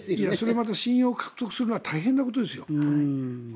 また信用を獲得するのは大変な話ですよ。